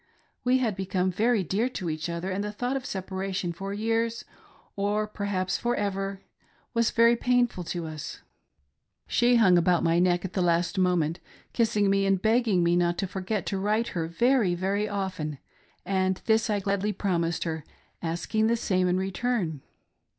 We had become very dear to each other, and the thought of separa .Jion for years, or jperhaps for ever, was very painful to us. tI2 "WE THREE SET FORTH.' She hung about my neck at the last moment, kissing me and begging me not to forget to write to her very, very often, and this I gladly promised her, asking the same in return.